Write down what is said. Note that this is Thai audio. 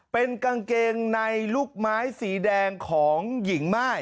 เป็นกางเกงในลูกไม้สีแดงของหญิงม่าย